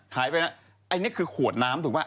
ถ่ายไปแล้วอันนี้คือขวดน้ำถูกไหม